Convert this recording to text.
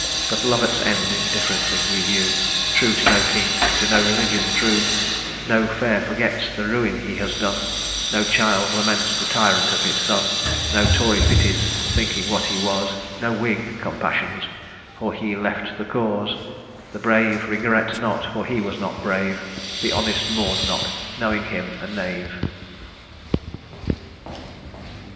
But Lovat's end indifferently we view, True to no king, to no religion true: No fair forgets the ruin he has done; No child laments the tyrant of his son; No Tory pities, thinking what he was; No Whig compassions, for he left the cause; The brave regret not, for he was not brave, The honest mourn not, knowing him a knave."